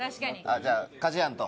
じゃあかじやんと。